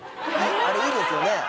あれ、いいですよね。